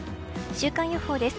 週間予報です。